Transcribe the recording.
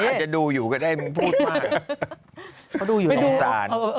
อาจจะดูอยู่ก็ได้อุ๊ยพูดมาก